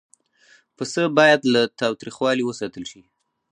پسه باید له تاوتریخوالي وساتل شي.